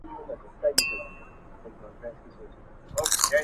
قاضي پخپله خرې نيولې، نورو ته ئې نصيحت کاوه.